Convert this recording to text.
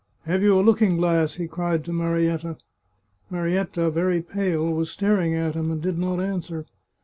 " Have you a looking glass ?" he cried to Marietta. Marietta, very pale, was star ing at him, and did not answer.